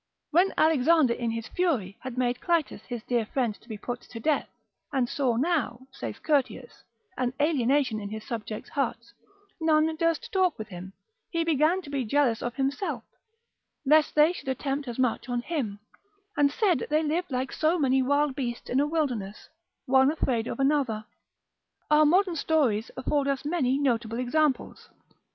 When Alexander in his fury had made Clitus his dear friend to be put to death, and saw now (saith Curtius) an alienation in his subjects' hearts, none durst talk with him, he began to be jealous of himself, lest they should attempt as much on him, and said they lived like so many wild beasts in a wilderness, one afraid of another. Our modern stories afford us many notable examples.